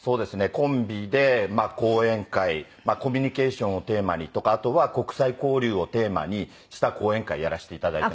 コンビで講演会コミュニケーションをテーマにとかあとは国際交流をテーマにした講演会やらせて頂いています。